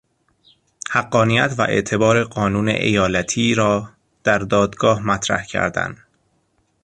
حقانیت و اعتبار قانون ایالتی را در دادگاه مطرح کردن